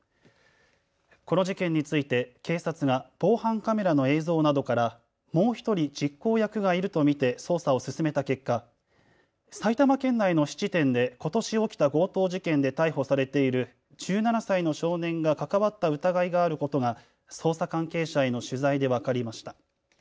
この事件について警察が防犯カメラの映像などからもう１人実行役がいると見て捜査を進めた結果、埼玉県内の質店でことし起きた強盗事件で逮捕されている１７歳の少年が関わった疑いがあることが捜査関係者への取材で分かりました。